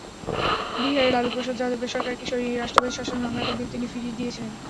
বিহারে লালুপ্রসাদ যাদবের সরকারকে সরিয়ে রাষ্ট্রপতি শাসন-সংক্রান্ত বিল তিনি ফিরিয়ে দিয়েছিলেন।